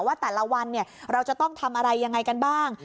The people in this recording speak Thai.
ว่าแต่ละวันเราจะต้องทำอะไรยังไงกันบ้าง